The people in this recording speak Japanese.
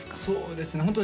そうですね